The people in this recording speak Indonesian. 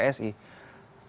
tidak ada temuannya